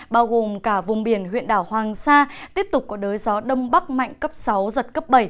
bao gồm cả vùng biển huyện đảo hoàng sa tiếp tục có đới gió đông bắc mạnh cấp sáu giật cấp bảy